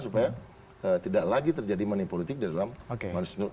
supaya tidak lagi terjadi manipolitik di dalam manusia